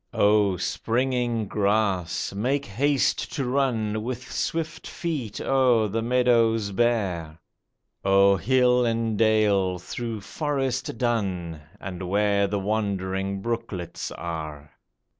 O springing grass ! make haste to run With swift feet o'er the meadows bare ; O'er hill and dale, through forest dun, And where the wandering brooklets are